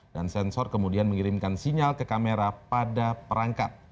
dan sensor kemudian mengirimkan sinyal ke kamera pada perangkat